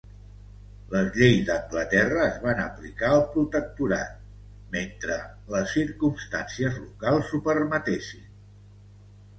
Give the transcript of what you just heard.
Les lleis d'Anglaterra es van aplicar al protectorat, mentre les circumstàncies locals ho permetessin.